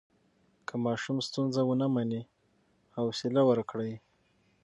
که ماشوم ستونزه ونه مني، حوصله ورکړئ.